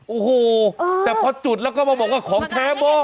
โอ้โหแต่พอจุดแล้วก็มาบอกว่าของแท้โบ้